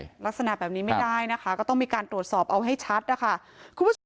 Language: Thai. ลักษณะแบบนี้ไม่ได้นะคะก็ต้องมีการตรวจสอบเอาให้ชัดนะคะคุณผู้ชม